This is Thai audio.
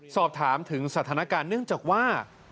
สอบถามถึงสถานการณ์เนื่องจากว่า